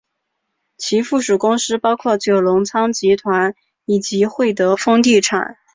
其附属公司包括九龙仓集团以及会德丰地产。